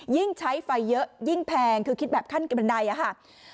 ยิ่งใช้ไฟเยอะยิ่งแพงคือคิดแบบขั้นกระบันไดอะค่ะ